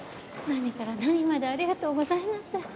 何から何までありがとうございます。